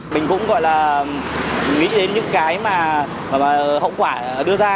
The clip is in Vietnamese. mình cũng nghĩ đến những cái hậu quả đưa ra